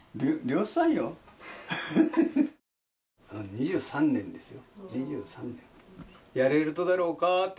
２３年ですよ